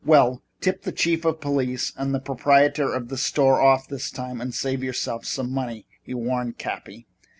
"Well, tip the chief of police and the proprietor of the store off this time and save yourself some money," he warned Cappy.